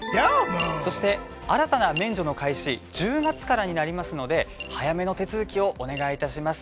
そして、新たな免除の開始、１０月からになりますので早めの手続きをお願いいたします。